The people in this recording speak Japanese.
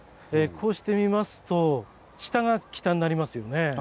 こうしてみますと下が北になりますよね。